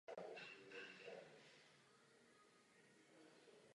V kmeni je velká dutina.